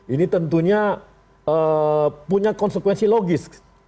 ini tentunya punya konsekuensi logis